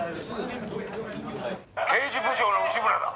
「刑事部長の内村だ」